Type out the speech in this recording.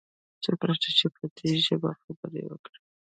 څوک نشته چې په دي ژبه خبرې وکړي؟